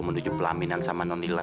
menuju pelaminan sama nonila